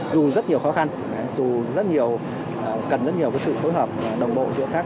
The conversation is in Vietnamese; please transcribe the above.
dù rất nhiều khó khăn dù rất nhiều cần rất nhiều sự phối hợp đồng bộ giữa các